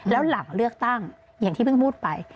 แล้วหลังเลือกตั้งอย่างที่เพิ่งพูดไป